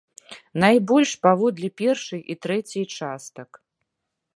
Найбольш паводле першай і трэцяй частак.